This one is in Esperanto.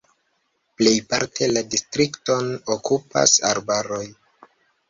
Plejparte la distrikton okupas arbaroj.